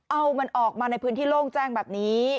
เอามันออกมาในพื้นที่โล่งแจ้งแบบนี้